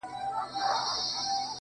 o پور چي تر سلو تېر سي، وچه مه خوره٫